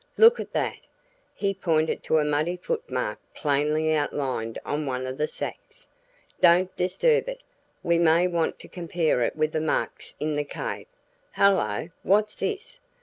Look at that!" He pointed to a muddy foot mark plainly outlined on one of the sacks. "Don't disturb it; we may want to compare it with the marks in the cave. Hello! What's this?